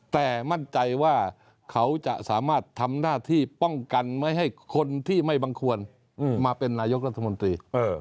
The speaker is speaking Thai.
แต่มั่นใจว่าเขาจะสามารถทำหน้าที่ป้องกันไม่ให้คนที่ไม่บังควรมาเป็นนายกรัฐมนตรี